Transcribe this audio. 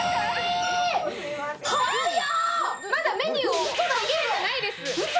まだメニューを下げれてないです。